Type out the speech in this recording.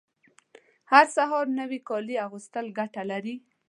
هر سهار نوي کالیو اغوستل ګټه لري